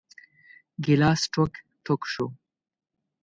ګیلاس ټوک ، ټوک شو .